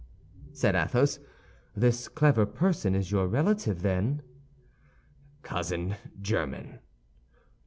said Athos. "This clever person is your relative, then?" "Cousin german."